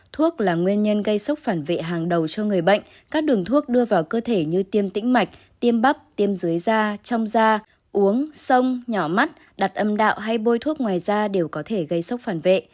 thuốc là nguyên nhân gây sốc phản vệ hàng đầu cho người bệnh các đường thuốc đưa vào cơ thể như tiêm tĩnh mạch tiêm bắp tiêm dưới da trong da uống sông nhỏ mắt đặt âm đạo hay bôi thuốc ngoài da đều có thể gây sốc phản vệ